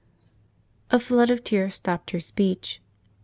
'" A flood of tears stopped her speech.